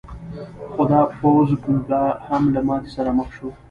خو دا پوځ بیا هم له ماتې سره مخ شو.